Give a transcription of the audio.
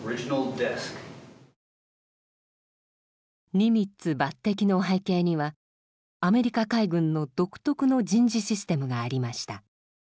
ニミッツ抜擢の背景にはアメリカ海軍の独特の人事システムがありました。